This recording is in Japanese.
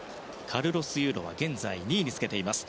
カルロス・ユーロは現在２位につけています。